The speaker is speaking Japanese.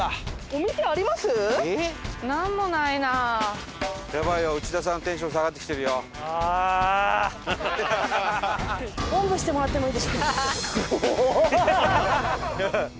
おんぶしてもらってもいいですか？